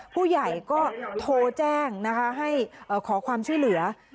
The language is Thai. ผู้ใหญ่ก็โทรแจ้งนะคะให้ขอความช่วยเหลือ